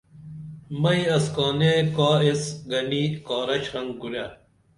منے اسکانے کا ایس گنی کارہ شرنگ کُرے